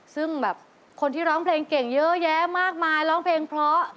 ซึ่งแบบคนที่ร้องเพลงเก่งเยอะแยะมากมายร้องเพลงเพราะ